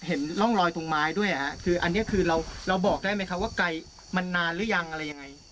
เห็นร่องรอยตรงไม้ด้วยคืออันนี้คือเราบอกได้ไหมคะว่าไกลมันนานหรือยังอะไรยังไง